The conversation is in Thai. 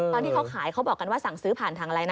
ตอนที่เขาขายเขาบอกกันว่าสั่งซื้อผ่านทางไลน์นะ